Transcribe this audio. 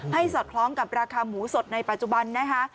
สอดคล้องกับราคาหมูสดในปัจจุบันนะคะ